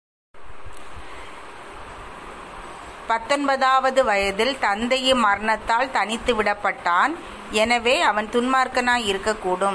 ஆனால் சிறுவயதில், அதாவது பத்தொன்பது ஆவது வயதில், தந்தையின் மரணத்தால் தனியே விடப்பட்டதனால் அவன் அவ்விதம் துன்மார்க்கனாயிருக்கக்கூடும்.